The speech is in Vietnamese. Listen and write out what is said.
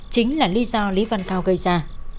chính là lý do lý văn cao gây ra